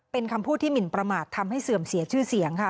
เป็นคำพูดที่หมินประมาททำให้เสื่อมเสียชื่อเสียงค่ะ